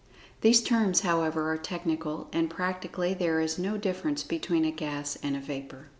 These terms, however, are technical, and practically there is no difference between a gas and a vapor.